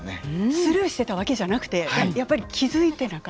スルーしてたわけじゃなくてやっぱり気づいてなかった。